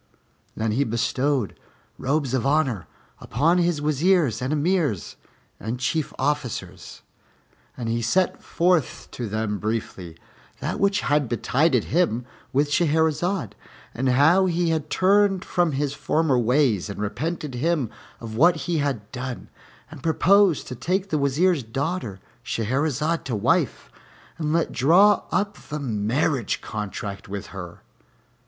Then he bestowed robes of honor upon his Wazirs and Emirs and Chief Officers and he set forth to them briefly that which had betided him with Shahrazad, and how he had turned from his former ways and repented him of what he had done, and proposed to take the Wazir's daughter Shahrazad to wife, and let draw up the marriage contract with her.